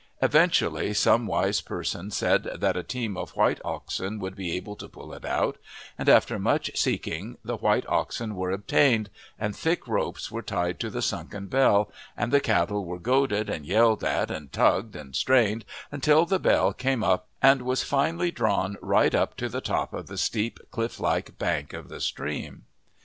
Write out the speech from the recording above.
Eventually some wise person said that a team of white oxen would be able to pull it out, and after much seeking the white oxen were obtained, and thick ropes were tied to the sunken bell, and the cattle were goaded and yelled at, and tugged and strained until the bell came up and was finally drawn right up to the top of the steep, cliff like bank of the stream.